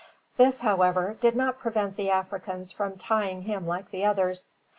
This, however, did not prevent the Africans from tying him like the others.